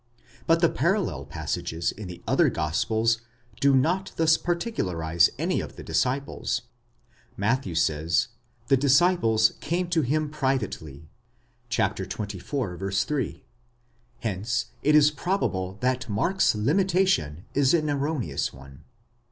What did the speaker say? But the parallel passages in the other gospels do not thus particularize any of the disciples. Matthew says, Zhe disciples came to him privately (xxiv. 3); hence it is prob able that Mark's limitation is an erroneous one.